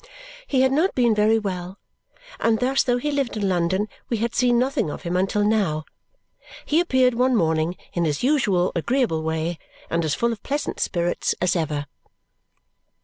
He had not been very well; and thus, though he lived in London, we had seen nothing of him until now. He appeared one morning in his usual agreeable way and as full of pleasant spirits as ever.